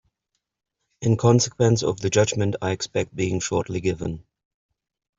In consequence of the judgment I expect being shortly given.